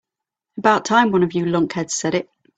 About time one of you lunkheads said it.